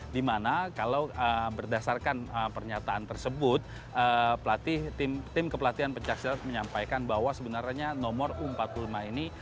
di mana kalau berdasarkan pernyataan tersebut tim kepelatihan pencak silat menyampaikan bahwa sebenarnya nomor u empat puluh lima ini